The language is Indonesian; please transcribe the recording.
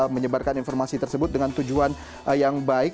menyebarkan informasi tersebut dengan tujuan yang baik